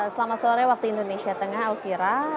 selamat sore waktu indonesia tengah elvira